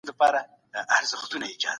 د دې تاریخي جرګې موخه څه وه؟